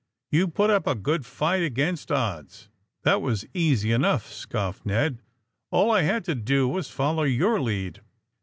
You put up a good fight against odds." That was easy enough," scoffed Ned. A1I I had to do was to follow your lead."